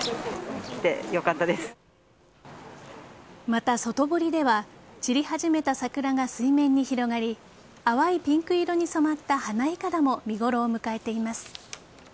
また、外堀では散り始めた桜が水面に広がり淡いピンク色に染まった花筏も見頃を迎えています。